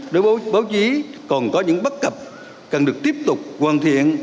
đối với báo chí còn có những bắt cập cần được tiếp tục hoàn thiện